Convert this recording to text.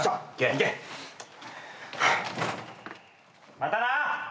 またな！